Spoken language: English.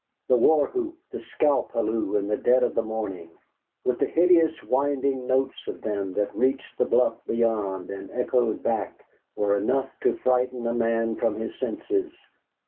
The war whoop, the scalp halloo in the dead of the morning, with the hideous winding notes of them that reached the bluff beyond and echoed back, were enough to frighten a man from his senses.